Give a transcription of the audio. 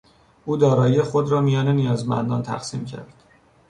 او دارایی خود را میان نیازمندان تقسیم کرد.